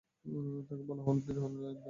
তাকে বলা হল, তিনি হলেন আলী ইবনে আবু তালেব।